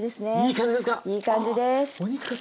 いい感じですか！